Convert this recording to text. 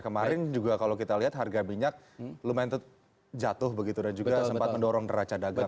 kemarin juga kalau kita lihat harga minyak lumayan jatuh begitu dan juga sempat mendorong neraca dagang